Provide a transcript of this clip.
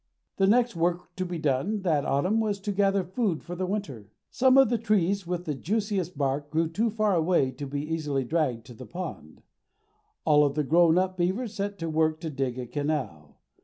The next work to be done that autumn was to gather food for the winter. Some of the trees with the juiciest bark grew too far away to be easily dragged to the pond. All the grown up beavers set to work to dig a canal.